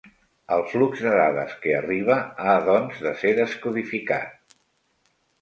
El flux de dades que arriba ha doncs de ser descodificat.